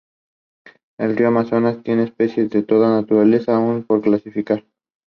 He shortly joined Boston Soccer Club to play in the American Soccer League.